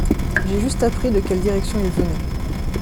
J’ai juste appris de quelle direction ils venaient.